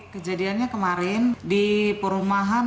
kejadiannya kemarin di perumahan